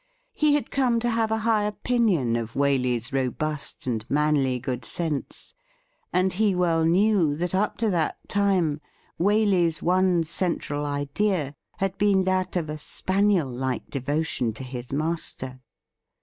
He had come to have a high opinion of Waley's robust and manly good sense, and he well knew that up to that time Waley's one central idea had been that of a spaniel Hke devotion to his master.